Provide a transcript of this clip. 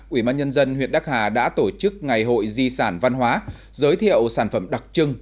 ủy ban nhân dân huyện đắc hà đã tổ chức ngày hội di sản văn hóa giới thiệu sản phẩm đặc trưng